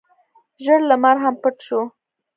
ژړ لمر هم پټ شو.